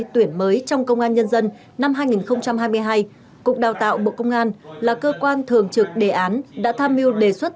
tuyển mới trong công an nhân dân năm hai nghìn hai mươi hai cục đào tạo bộ công an là cơ quan thường trực đề án đã tham mưu đề xuất